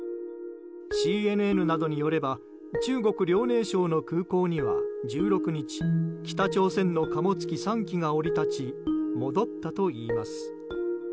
ＣＮＮなどによれば中国・遼寧省の空港には１６日北朝鮮の貨物機３機が降り立ち戻ったといいます。